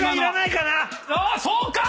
そうか！